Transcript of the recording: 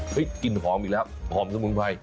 กลิ่นหอมอีกแล้วหอมสมุนไพร